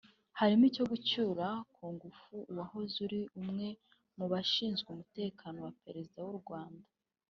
birimo icyo gucyura ku ngufu uwahoze ari umwe mu bashinzwe umutekano wa Perezida w’u Rwanda